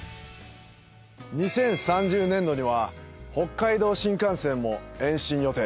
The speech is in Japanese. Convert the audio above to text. ２０３０年度には北海道新幹線も延伸予定。